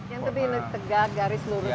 yang lebih tegak garis lurus